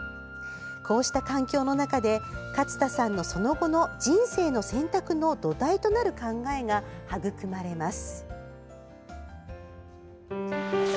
こうした環境の中で勝田さんのその後の「人生の選択」の土台となる考えが育まれます。